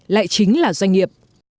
lại chính là doanh nghiệp